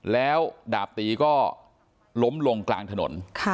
แล้วดาบตีก็ล้มลงกลางถนน